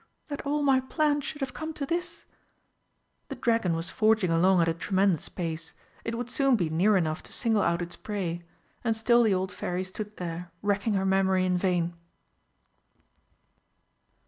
That all my plans should have come to this!" The dragon was forging along at a tremendous pace. It would soon be near enough to single out its prey and still the old Fairy stood there, racking her memory in vain.